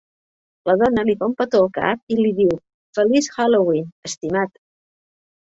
La dona li fa un petó al cap i li diu Feliç Halloween, estimat.